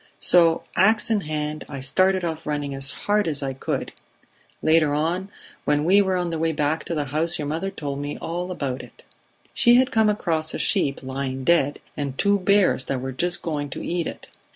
So, ax in hand, I started off running as hard as I could. Later on, when we were on the way back to the house, your mother told me all about it. She had come across a sheep lying dead, and two bears that were just going to eat it.